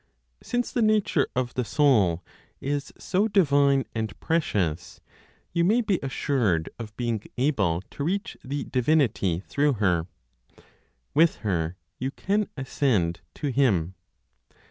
Since the nature of the Soul is so divine and precious, you may be assured of being able to reach the divinity through her; with her you can ascend to Him.